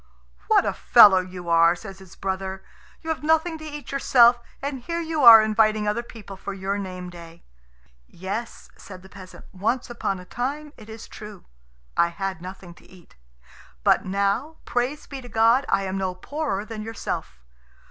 "What a fellow you are!" says his brother; "you have nothing to eat yourself, and here you are inviting other people for your name day." "Yes," said the peasant, "once upon a time, it is true, I had nothing to eat; but now, praise be to God, I am no poorer than yourself.